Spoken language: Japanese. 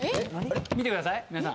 見てください皆さん。